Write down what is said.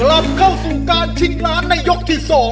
กลับเข้าสู่การชิงล้านในยกที่๒